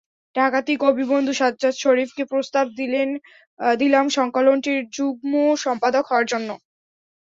ঢাকাতেই কবিবন্ধু সাজ্জাদ শরিফকে প্রস্তাব দিলাম সংকলনটির যুগ্ম সম্পাদক হওয়ার জন্য।